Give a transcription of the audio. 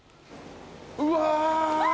うわ！